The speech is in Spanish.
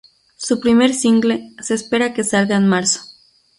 Su primer single, se espera que salga en marzo.